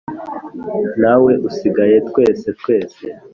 Ntawe usigaye twese twese